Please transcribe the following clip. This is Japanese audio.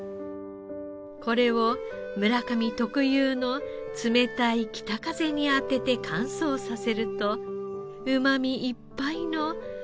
これを村上特有の冷たい北風に当てて乾燥させるとうまみいっぱいの塩引き鮭ができるのです。